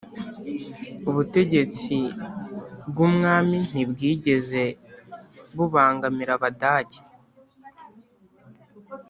Ubutegetsi bw'umwami ntibwigeze bubangamira Abadage,